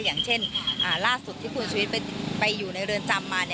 อย่างเช่นล่าสุดที่คุณชุวิตไปอยู่ในเรือนจำมา